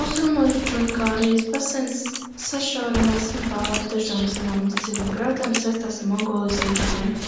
Austrumos Džungārijas baseins sašaurinās un pāri dažām zemām izciļņu grēdām saistās ar Mongolijas līdzenumiem.